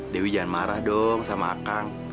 dewi jangan marah dong sama kang